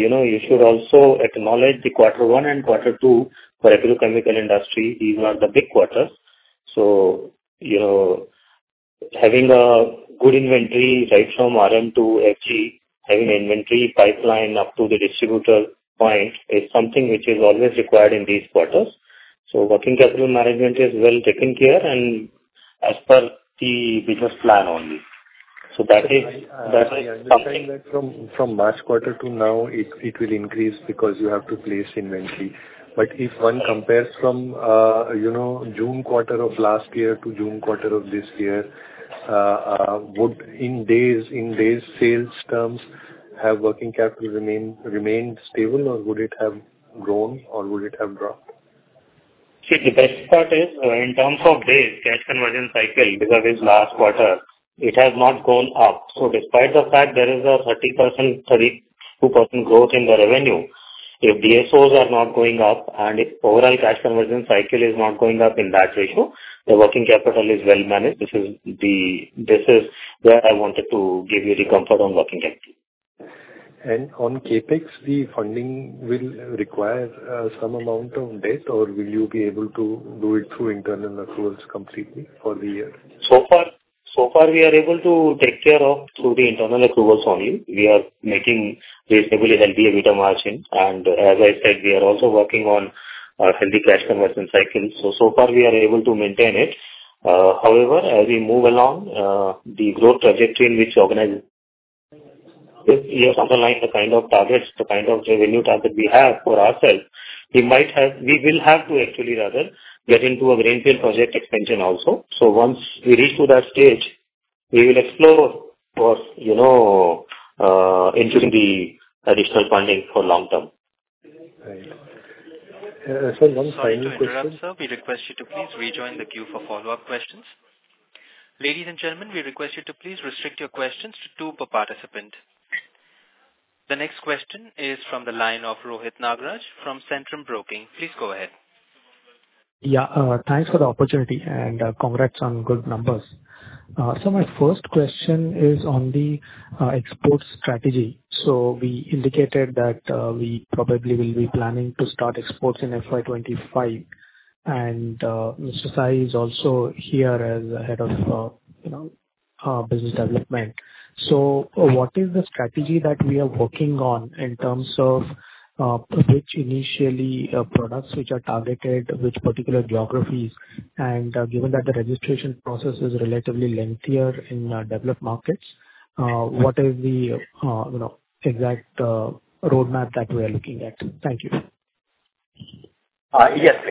you know, you should also acknowledge the quarter one and quarter two for agricultural chemical industry. These are the big quarters. You know, having a good inventory right from RM to FG, having an inventory pipeline up to the distributor point, is something which is always required in these quarters. Working capital management is well taken care and as per the business plan only. That is, that is something. From, from March quarter to now, it, it will increase because you have to place inventory. If 1 compares from, you know, June quarter of last year to June quarter of this year, would in days, in days sales terms? Have working capital remain, remained stable, or would it have grown or would it have dropped? See, the best part is, in terms of the cash conversion cycle, because this last quarter, it has not gone up. Despite the fact there is a 30%, 32% growth in the revenue, your BSOs are not going up, overall cash conversion cycle is not going up in that ratio. The working capital is well managed. This is where I wanted to give you the comfort on working capital. On CapEx, the funding will require, some amount of debt, or will you be able to do it through internal accruals completely for the year? So far, so far we are able to take care of through the internal accruals only. We are making reasonably healthy EBITDA margins, and as I said, we are also working on a healthy cash conversion cycle. So far we are able to maintain it. However, as we move along, the growth trajectory in which if we have underlined the kind of targets, the kind of revenue target we have for ourselves, we might have, we will have to actually rather get into a greenfield project expansion also. Once we reach to that stage, we will explore for, you know, into the additional funding for long term. Right. So one final question. Sorry to interrupt, sir. We request you to please rejoin the queue for follow-up questions. Ladies and gentlemen, we request you to please restrict your questions to two per participant. The next question is from the line of Rohit Nagaraj from Centrum Broking. Please go ahead. Yeah, thanks for the opportunity and congrats on good numbers. My first question is on the export strategy. We indicated that we probably will be planning to start exports in FY 2025, and Mr. Sai is also here as the Head of, you know, Business Development. What is the strategy that we are working on in terms of, which initially, products which are targeted, which particular geographies, and given that the registration process is relatively lengthier in developed markets, what is the, you know, exact roadmap that we are looking at? Thank you. Yes,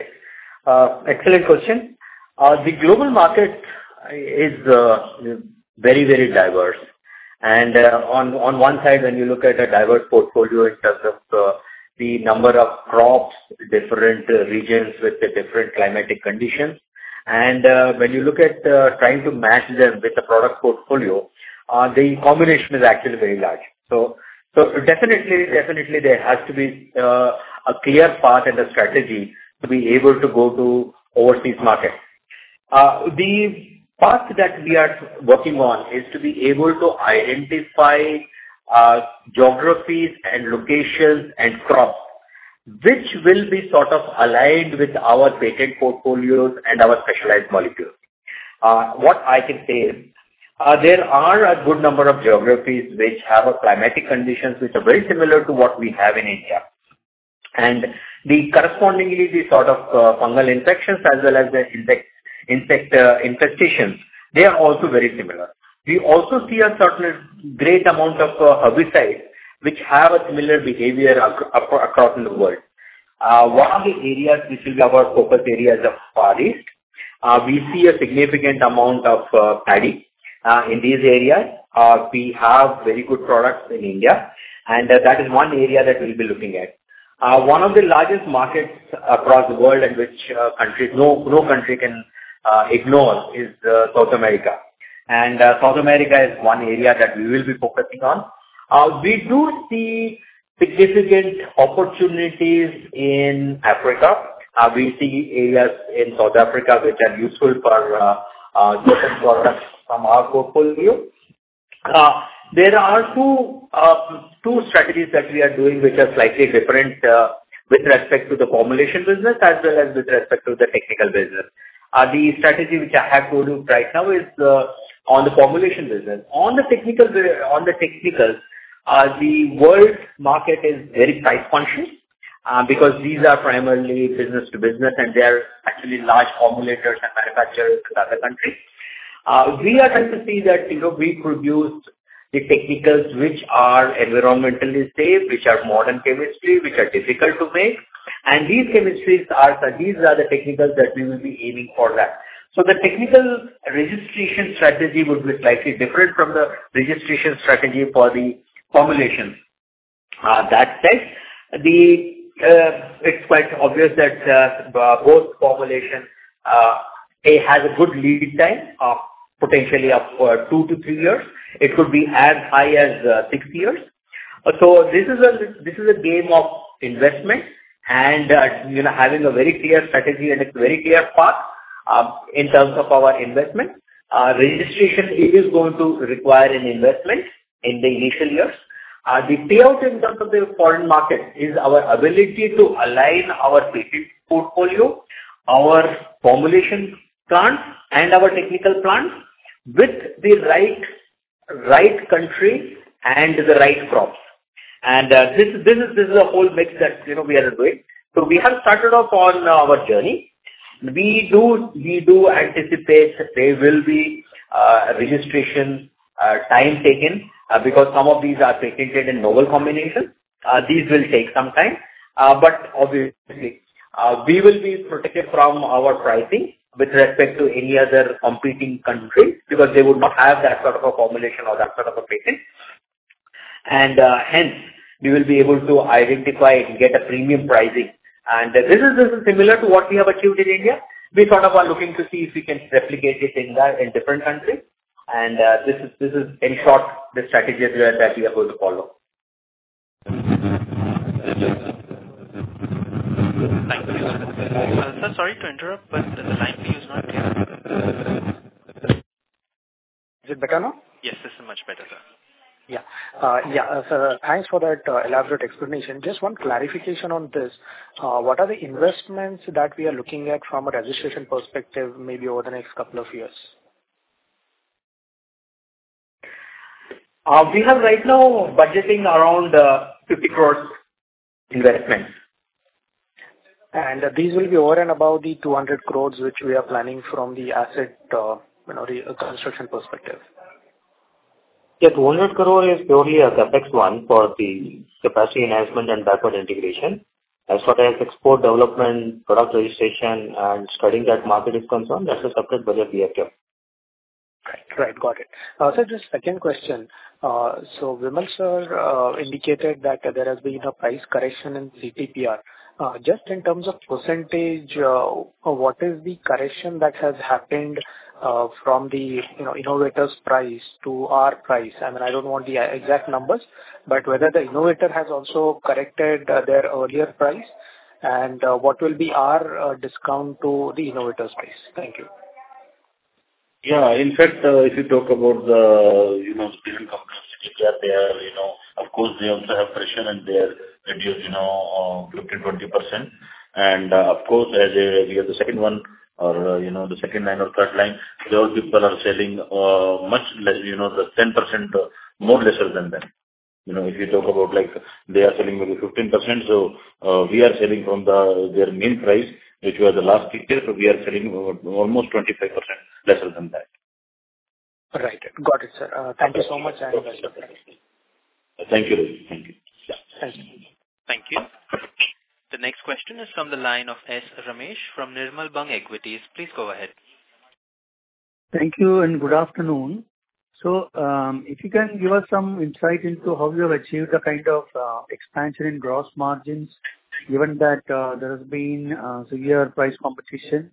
excellent question. The global market is very, very diverse. On one side, when you look at a diverse portfolio in terms of the number of crops, different regions with the different climatic conditions, and when you look at trying to match them with the product portfolio, the combination is actually very large. So definitely, definitely there has to be a clear path and a strategy to be able to go to overseas markets. The path that we are working on is to be able to identify geographies and locations and crops, which will be sort of aligned with our patent portfolios and our specialized molecules. What I can say is there are a good number of geographies which have a climatic conditions which are very similar to what we have in India. The correspondingly, the sort of, fungal infections as well as the insect, insect, infestations, they are also very similar. We also see a certain great amount of herbicides which have a similar behavior across in the world. One of the areas which is our focus areas are Far East. We see a significant amount of paddy in these areas. We have very good products in India, and that is one area that we'll be looking at. One of the largest markets across the world in which country, no, no country can ignore is South America. South America is one area that we will be focusing on. We do see significant opportunities in Africa. We see areas in South Africa which are useful for different products from our portfolio. There are two strategies that we are doing, which are slightly different with respect to the formulation business as well as with respect to the technical business. The strategy which I have told you right now is on the formulation business. On the technical, on the technical, the world market is very price-conscious because these are primarily B2B, and they are actually large formulators and manufacturers to other countries. We are trying to see that, you know, we produce the technicals which are environmentally safe, which are modern chemistry, which are difficult to make. And these chemistries are the, these are the technicals that we will be aiming for that. So the technical registration strategy would be slightly different from the registration strategy for the formulation. That said, the, it's quite obvious that, both formulation, A, has a good lead time of potentially up to 2-3 years. It could be as high as six years. This is a, this is a game of investment and, you know, having a very clear strategy and a very clear path, in terms of our investment. Registration, it is going to require an investment in the initial years. The key out in terms of the foreign market is our ability to align our portfolio, our formulation plan, and our technical plan with the right, right country and the right crops. This, this is, this is a whole mix that, you know, we are doing. We have started off on our journey. We do, we do anticipate there will be registration, time taken, because some of these are patented in novel combinations. These will take some time. Obviously, we will be protected from our pricing with respect to any other competing country, because they would not have that sort of a formulation or that sort of a business. Hence, we will be able to identify and get a premium pricing. This is, this is similar to what we have achieved in India. We sort of are looking to see if we can replicate it in the, in different countries. This is, this is, in short, the strategy that we are, that we are going to follow. Thank you. Sir, sorry to interrupt, but the line is not clear. Is it better now? Yes, this is much better, sir. Yeah. Yeah, thanks for that elaborate explanation. Just one clarification on this. What are the investments that we are looking at from a registration perspective, maybe over the next couple of years? We have right now budgeting around 50 crore investment. These will be over and above the 200 crore, which we are planning from the asset, you know, construction perspective. Yes, 200 crore is purely a CapEx one for the capacity enhancement and backward integration. As far as export development, product registration, and studying that market is concerned, that's a separate budget we have here. Right. Got it. The second question: Vimal, sir, indicated that there has been a price correction in CTPR. Just in terms of percentage, what is the correction that has happened from the, you know, innovator's price to our price? I mean, I don't want the exact numbers, but whether the innovator has also corrected their earlier price, and what will be our discount to the innovator's price? Thank you. Yeah. In fact, if you talk about the, you know, different companies, they are, you know. Of course, they also have pressure, and they have reduced, you know, 15%-20%. Of course, as a-we are the second one or, you know, the second line or third line, those people are selling much less, you know, the 10% more lesser than them. You know, if you talk about, like, they are selling maybe 15%, so we are selling from the, their main price, which was the last six years, so we are selling over almost 25% lesser than that. Right. Got it, sir. Thank you so much, and thank you. Thank you. Thank you. Thank you. Thank you. The next question is from the line of S. Ramesh from Nirmal Bang Equities. Please go ahead. Thank you and good afternoon. If you can give us some insight into how you have achieved the kind of expansion in gross margins, given that, there has been, severe price competition,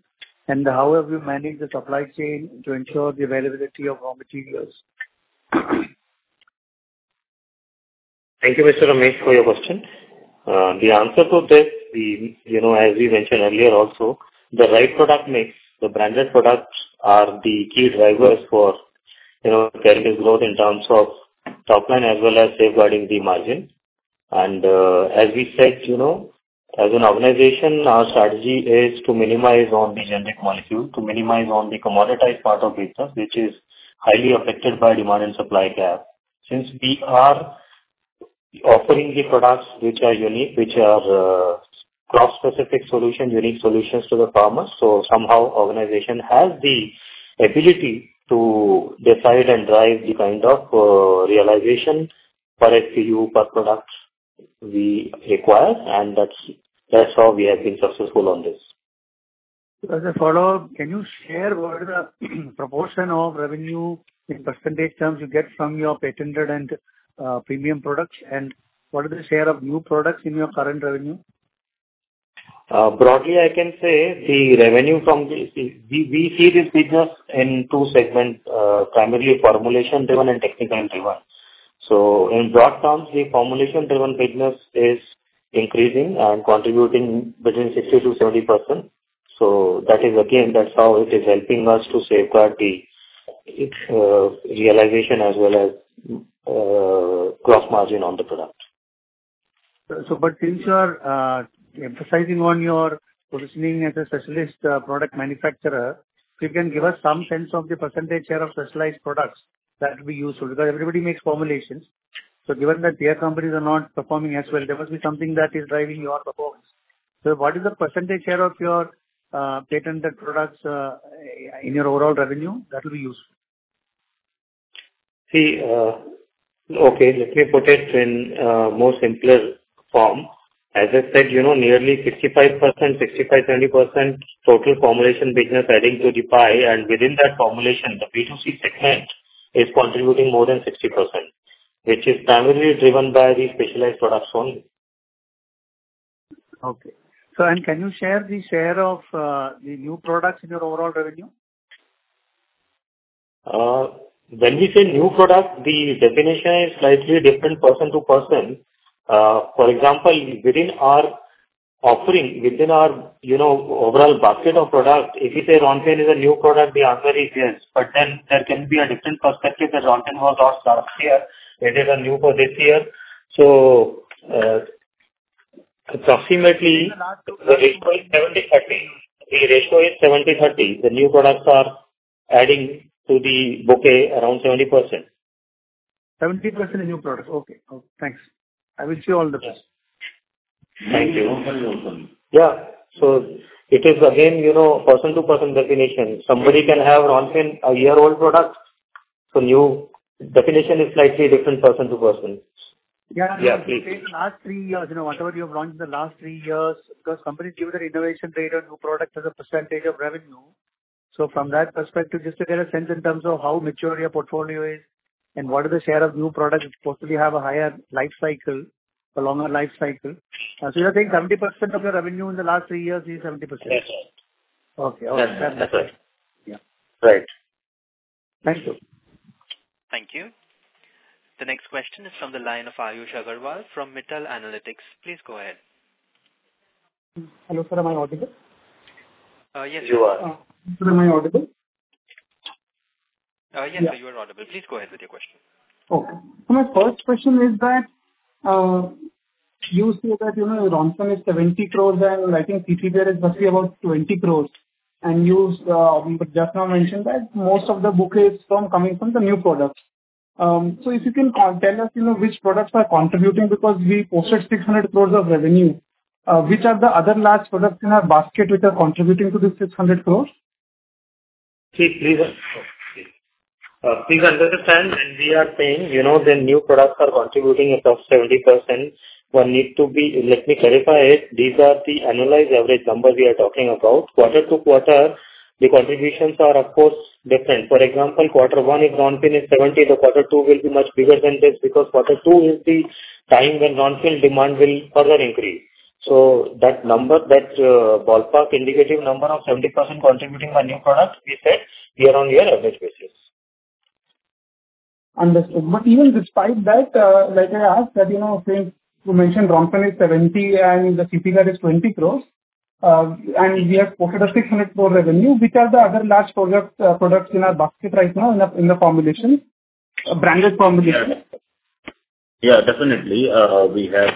and how have you managed the supply chain to ensure the availability of raw materials? Thank you, Mr. Ramesh, for your question. The answer to this, we, you know, as we mentioned earlier also, the right product mix, the branded products are the key drivers for, you know, carrying this growth in terms of top line, as well as safeguarding the margin. As we said, you know, as an organization, our strategy is to minimize on the generic molecule, to minimize on the commoditized part of business, which is highly affected by demand and supply gap. Since we are offering the products which are unique, which are, crop-specific solution, unique solutions to the farmers, so somehow organization has the ability to decide and drive the kind of, realization per SKU, per product we require, and that's, that's how we have been successful on this. As a follow-up, can you share what is the proportion of revenue in percentage terms you get from your patented and premium products, and what is the share of new products in your current revenue? Broadly, I can say the revenue from the. We, we see this business in two segments, primarily formulation-driven and technical-driven. In broad terms, the formulation-driven business is increasing and contributing between 60%-70%. That is again, that's how it is helping us to safeguard the realization as well as gross margin on the product. Since you are emphasizing on your positioning as a specialist product manufacturer, if you can give us some sense of the percentage share of specialized products, that would be useful, because everybody makes formulations. Given that their companies are not performing as well, there must be something that is driving your performance. What is the percentage share of your patented products in your overall revenue? That will be useful. See, Okay, let me put it in a more simpler form. As I said, you know, nearly 65%, 65%-70%, total formulation business adding to the pie, and within that formulation, the B2C segment is contributing more than 60%, which is primarily driven by the specialized products only. Okay. And can you share the share of the new products in your overall revenue? When we say new product, the definition is slightly different person to person. For example, within our offering, within our, you know, overall basket of products, if we say RONFEN is a new product, we are very clear. Then there can be a different perspective that RONFEN was last year, it is a new for this year. Approximately. The ratio is 70/30. The ratio is 70/30. The new products are adding to the bouquet around 70%. 70% is new products. Okay, okay, thanks. I wish you all the best. Thank you. Yeah, so it is again, you know, person-to-person definition. Somebody can have RONFEN, a year-old product. New definition is slightly different person to person. Yeah. Yeah, please. In the last three years, you know, whatever you have launched in the last three years, because companies give their innovation rate or new product as a percentage of revenue. From that perspective, just to get a sense in terms of how mature your portfolio is and what is the share of new products, which possibly have a higher life cycle, a longer life cycle. You're saying 70% of your revenue in the last three years is 70%? That's right. Okay. That's, that's right. Yeah. Right. Thank you. Thank you. The next question is from the line of Ayush Mittal from Mittal Analytics. Please go ahead. Hello, sir. Am I audible? Yes, you are. Sir, am I audible? Yes, you are audible. Please go ahead with your question. Okay. My first question is that, you say that, you know, RONFEN is 70 crore. I think CTPR is must be about 20 crore. You, just now mentioned that most of the book is from coming from the new products. If you can tell us, you know, which products are contributing, because we posted 600 crore of revenue, which are the other large products in our basket which are contributing to this 600 crore? See, please, please understand, and we are saying, you know, the new products are contributing about 70%. One need to be... Let me clarify it. These are the annualized average numbers we are talking about. Quarter to quarter, the contributions are of course, different. For example, quarter one, if RONFEN is 70, the quarter two will be much bigger than this, because quarter two is the time when RONFEN demand will further increase. That number, that ballpark indicative number of 70% contributing by new products, we said year-on-year average basis. Understood. Even despite that, like I asked that, you know, saying, you mentioned RONFEN is 70 crore and the CTPR is 20 crore, and we have posted a 600 crore revenue, which are the other large products in our basket right now in the, in the formulation, branded formulation? Yeah, definitely. We have,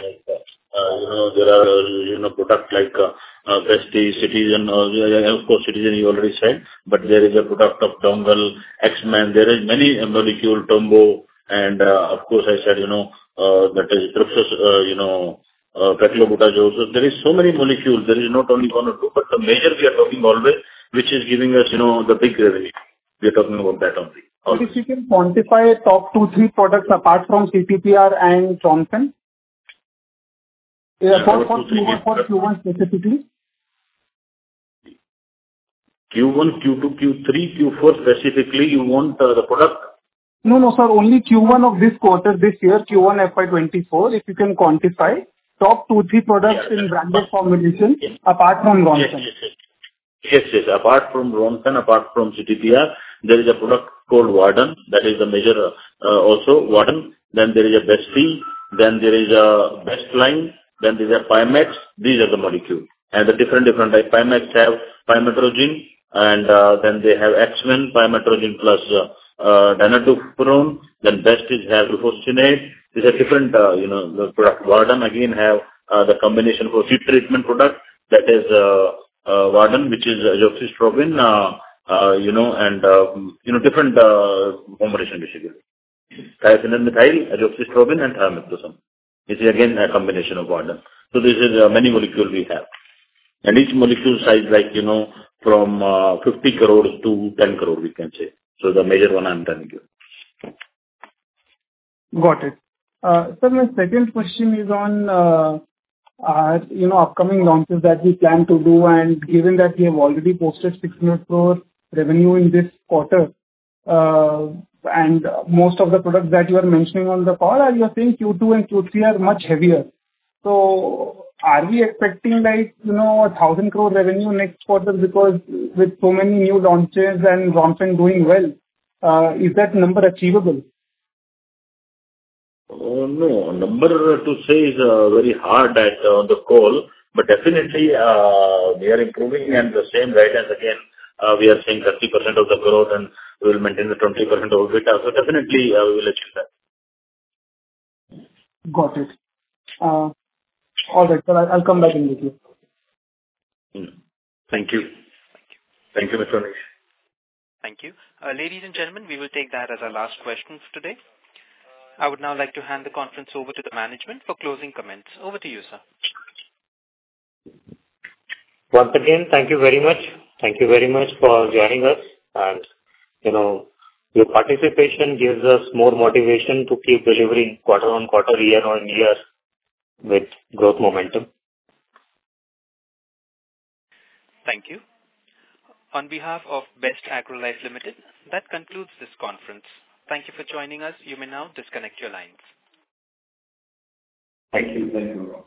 you know, there are, you know, products like, BESTIE, CITIGEN. Of course, CITIGEN, you already said, but there is a product of DONGLE, AXEMAN. There is many molecule, TOMBO, and, of course, I said, you know, that is, you know, Petaloguta. There is so many molecules. There is not only one or two, but the major we are talking always, which is giving us, you know, the big revenue. We are talking about that only. If you can quantify top two, three products apart from CTPR and RONFEN. Yeah, Q1, Q1 specifically. Q1, Q2, Q3, Q4, specifically, you want the product? No, no, sir. Only Q1 of this quarter, this year, Q1, FY 2024. If you can quantify top two, three products- Yeah. in branded formulation apart from RONFEN. Yes, yes, yes. Yes, yes, apart from RONFEN, apart from CTPR, there is a product called Warden. That is the major, also Warden. There is a BESTIE, there is a BESTLINE, there's a PYMAX. These are the molecules. The different, different type. PYMAX have pymetrozine, then they have AXEMAN, pymetrozine plus dinotefuran. BESTIE have leucostate. These are different, you know, the product. Warden again, have the combination for heat treatment product. That is Warden, which is azoxystrobin, you know, and, you know, different, combination molecule. Thiophanate Methyl, azoxystrobin, and thiamethoxam. This is again, a combination of Warden. This is many molecule we have. Each molecule size, like, you know, from 50 crore-10 crore, we can say. The major one, I'm telling you. Got it. sir, my second question is on, you know, upcoming launches that we plan to do, and given that we have already posted 600 crore revenue in this quarter, and most of the products that you are mentioning on the call, are you saying Q2 and Q3 are much heavier? Are we expecting like, you know, 1,000 crore revenue next quarter? With so many new launches and RONFEN doing well, is that number achievable? Oh, no. Number to say is very hard at, on the call. Definitely, we are improving and the same right as again, we are saying 30% of the growth and we will maintain the 20% orbit. Definitely, we will achieve that. Got it. All right, sir, I'll come back in with you. Thank you. Thank you, Mr. Nish. Thank you. ladies and gentlemen, we will take that as our last question for today. I would now like to hand the conference over to the management for closing comments. Over to you, sir. Once again, thank you very much. Thank you very much for joining us, and, you know, your participation gives us more motivation to keep delivering quarter-on-quarter, year-on-year with growth momentum. Thank you. On behalf of Best Agrolife Limited, that concludes this conference. Thank you for joining us. You may now disconnect your lines. Thank you. Thank you.